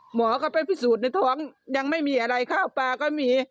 หมอก็ไปพิสูจน์ในท้องยังไม่มีอะไรข้าวปลาก็มี